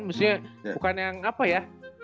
maksudnya bukan yang apa ya